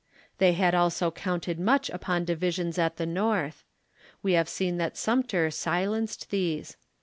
They had also counted much upon divisions at the North. We have seen that Sumter silenced these.